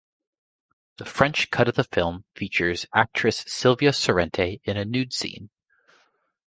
The French cut of the film features actress Sylvia Sorrente in a nude scene.